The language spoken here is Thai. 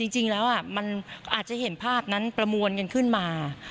จริงแล้วมันอาจจะเห็นภาพนั้นประมวลกันขึ้นมา